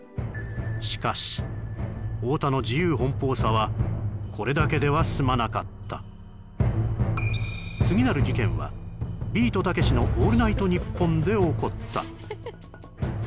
しかし太田の自由奔放さはこれだけでは済まなかった次なる事件は「ビートたけしのオールナイトニッポン」で起こった